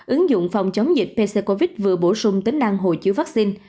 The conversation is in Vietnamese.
ứng dụng phòng chống dịch pccovid vừa bổ sung tính năng hộ chiếu vắc xin